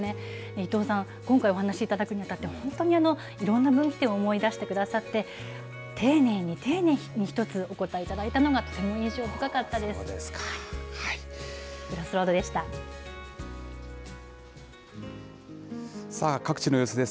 伊藤さん、今回お話しいただくにあたって、本当にいろんな分岐点を思い出してくださって、丁寧に丁寧に一つ一つお答えいただいたのがとても印象深かったです。